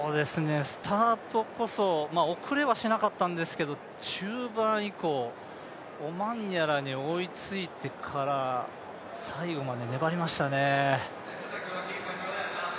スタートこそ遅れはしなかったんですけど中盤以降、オマンヤラに追いついてから、最後まで粘りましたね。